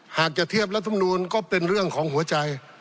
หากจะเทียบรัฐมนูลก็เป็นเรื่องของหัวใจ